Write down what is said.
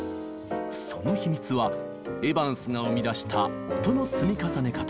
その秘密はエヴァンスが生み出した音の積み重ね方。